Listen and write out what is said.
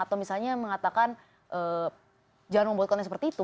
atau misalnya mengatakan jangan membuat konten seperti itu